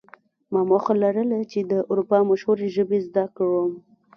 ما موخه لرله چې د اروپا مشهورې ژبې زده کړم